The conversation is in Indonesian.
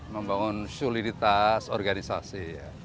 membangun soliditas organisasi